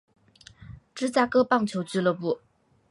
芝加哥棒球俱乐部。